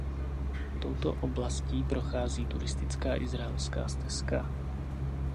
Touto oblastí prochází turistická Izraelská stezka.